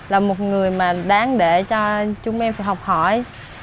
là một người mà đáng để cho chúng em phải học hỏi